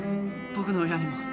僕の親にも。